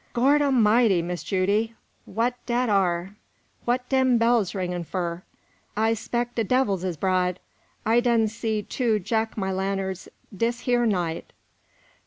"Gord A'mighty, Miss Judy, what dat ar'? What dem bells ringin' fur? I 'spect de evils is 'broad. I done see two Jack my lanterns dis heah night."